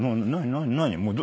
何？